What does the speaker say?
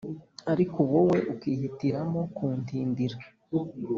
ariko wowe ukihitiramo kuntindira